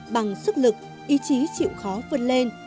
bằng sức lực ý chí chịu khó vượt lên